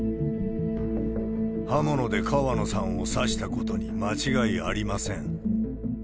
刃物で川野さんを刺したことに間違いありません。